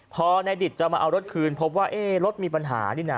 พอในดิตจะมาเอารถคืนพบว่ารถมีปัญหานี่นะ